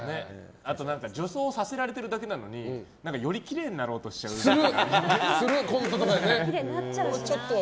あと女装させられてるだけなのに何か、よりきれいになろうとしちゃうみたいな。